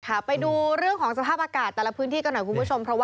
ค่ะไปดูเรื่องสภาพอากาศแต่ละพื้นที่กันหน่อยครับคุณผู้ชม